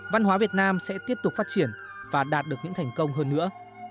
văn hóa việt nam sẽ tiếp tục phát triển và đạt được những thành công hơn nữa